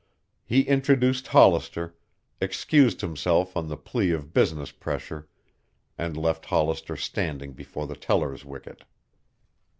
He introduced Hollister, excused himself on the plea of business pressure, and left Hollister standing before the teller's wicket.